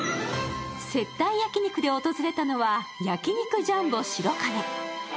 接待焼き肉で訪れたのは、焼肉ジャンボ白金。